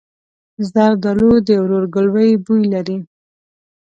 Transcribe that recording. زردالو د ورورګلوۍ بوی لري.